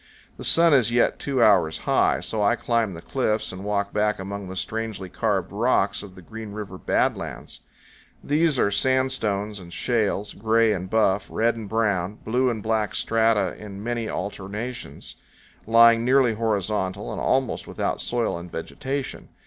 The sun is yet two hours high, so I climb the cliffs and walk back among the strangely carved rocks of the Green River bad lands. These are sandstones and shales, gray and buff, red and brown, blue and black strata in many alternations, lying nearly horizontal, and almost without soil and vegetation.